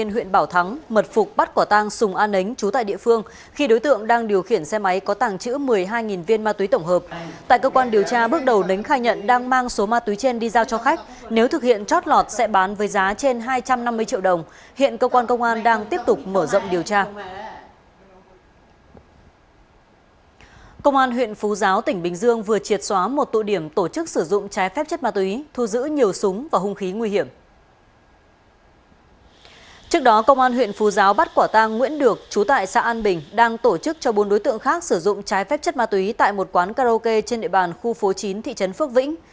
nguyễn được chú tại xã an bình đang tổ chức cho bốn đối tượng khác sử dụng trái phép chất ma túy tại một quán karaoke trên địa bàn khu phố chín thị trấn phước vĩnh